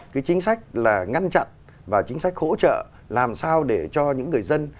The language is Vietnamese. cái chính sách là ngăn chặn và chính sách hỗ trợ làm sao để cho những người dân